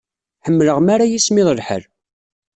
Ḥemmleɣ mi ara yismiḍ lḥal.